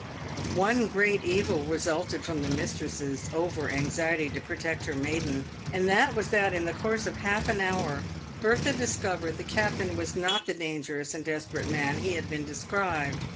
^ One great evil resulted from the mistress's over anxiety to protect her maiden, and that was that, in the course of half an hour, Bertha discovered the captain was not the dangerous and desperate man he had been described.